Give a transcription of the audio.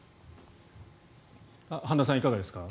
半田さん、いかがですか。